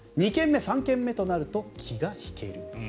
２軒目、３軒目となると気が引ける。